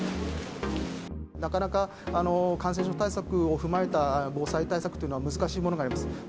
なかなか感染症対策を踏まえた防災対策というのは難しいものがあります。